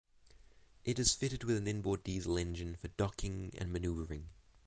It is fitted with an inboard diesel engine for docking and maneuvering.